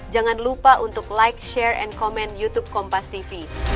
jangan lupa untuk like share dan komen youtube kompastv